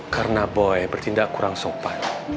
karena boy bertindak kurang sopan